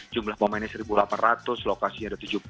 jumlah pemainnya seribu delapan ratus lokasi ada tujuh puluh